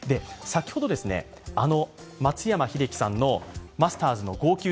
先ほど松山英樹さんのマスターズの号泣